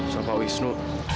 soal pak wisnu